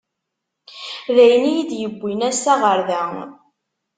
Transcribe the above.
D ayen i yi-d-yewwin assa ɣer da.